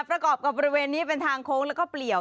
ประกอบกับบริเวณนี้เป็นทางโค้งแล้วก็เปลี่ยว